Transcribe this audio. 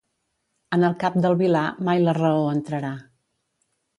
En el cap del vilà, mai la raó entrarà.